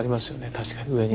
確かに上に。